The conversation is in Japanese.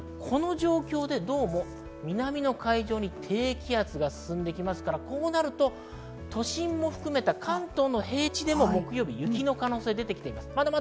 この状況でどうも南の海上に低気圧が進んできますから、こうなると都心も含めた関東の平地でも木曜日、雪の可能性が出ています。